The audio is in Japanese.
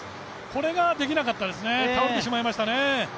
これができなかったですね、倒れてしまいましたね。